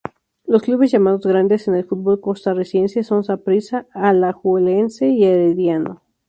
Los clubes llamados grandes en el fútbol costarricense son Saprissa, Alajuelense y Herediano.